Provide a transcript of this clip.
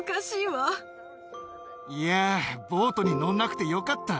いやー、ボートに乗んなくてよかった。